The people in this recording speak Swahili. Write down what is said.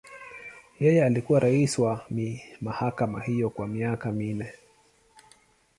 Yeye alikuwa rais wa mahakama hiyo kwa miaka minne.